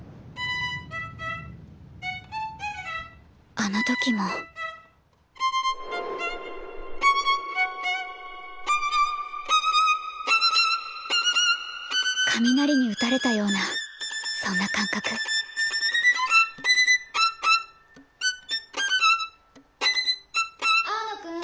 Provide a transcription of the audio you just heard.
あの時も雷にうたれたようなそんな感覚青野くん。